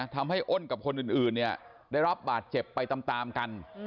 ทำให้อ้อนกับคนอื่นได้รับบาดเจ็บไปตามกัน